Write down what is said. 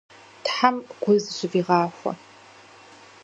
Тхьэм гу зэщывигъахуэ.